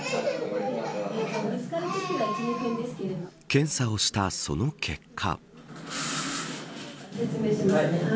検査をしたその結果。